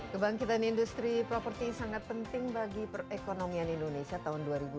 kebangkitan industri properti sangat penting bagi perekonomian indonesia tahun dua ribu dua puluh